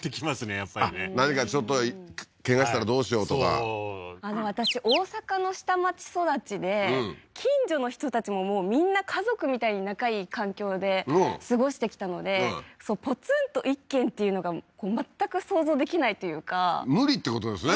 やっぱりね何かちょっとケガしたらどうしようとかそう私大阪の下町育ちで近所の人たちももうみんな家族みたいに仲いい環境で過ごしてきたのでポツンと一軒っていうのが全く想像できないというか無理ってことですね